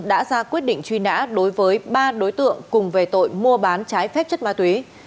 đã ra quyết định truy nã đối với ba đối tượng cùng về tội mua bán trái phép chất ma túy